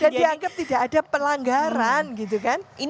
dan dianggap tidak ada pelanggaran gitu kan